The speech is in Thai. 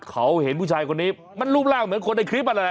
เขาเห็นผู้ชายคนนี้มันรูปร่างเหมือนคนในคลิปนั่นแหละ